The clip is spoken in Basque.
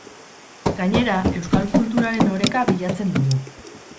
Gainera, euskal kulturaren oreka bilatzen dugu.